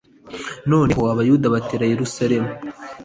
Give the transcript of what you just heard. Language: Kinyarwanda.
nanone abayuda batera yerusalemu+